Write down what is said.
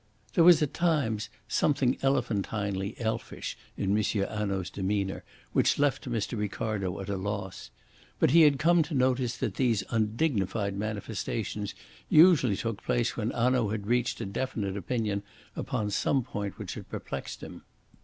There was at times something elephantinely elfish in M. Hanaud's demeanour, which left Mr. Ricardo at a loss. But he had come to notice that these undignified manifestations usually took place when Hanaud had reached a definite opinion upon some point which had perplexed him.